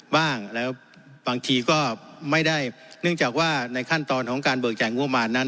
บ้างแล้วบางทีก็ไม่ได้เนื่องจากว่าในขั้นตอนของการเบิกจ่ายงบประมาณนั้น